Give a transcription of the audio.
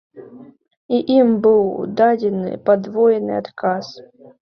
І ім быў дадзены падвойны адказ.